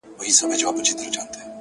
دادی بیا نمک پاسي ده! پر زخمونو د ځپلو!